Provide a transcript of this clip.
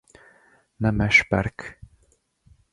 Nemes Perk.